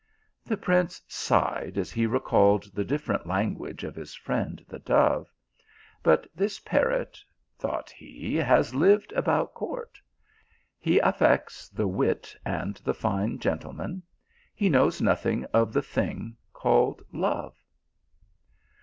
The prince sighed as he recalled the different language of his friend the dove. But this parrot, thought he, has lived about court ; he affects the wit and the fine gentleman ; he knows nothing of the thing called love.